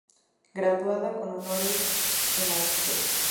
Graduada con honores en la St.